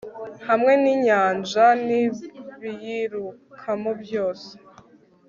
hamwe n'inyanja n'ibiyirukamo byose